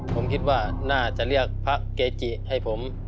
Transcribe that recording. ผมคิดว่าน่าจะเรียกพระเกจิให้ผม